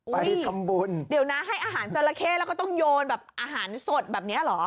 ไปทำบุญเดี๋ยวนะให้อาหารจราเข้แล้วก็ต้องโยนแบบอาหารสดแบบนี้เหรอ